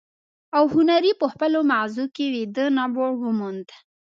او هنري په خپلو ماغزو کې ويده نبوغ وموند.